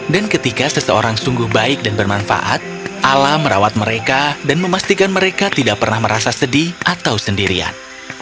dan ketika seseorang sungguh baik dan bermanfaat allah merawat mereka dan memastikan mereka tidak pernah merasa sedih atau sendirian